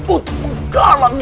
untuk menggalang dukungan